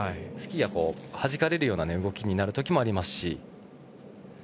スキーがはじかれるような動きになるときもありますし。